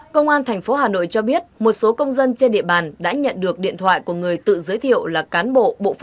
công an tp hà nội cho biết một số công dân trên địa bàn đã nhận được điện thoại của người tự giới thiệu là cán bộ